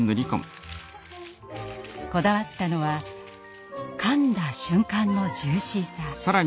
こだわったのはかんだ瞬間のジューシーさ。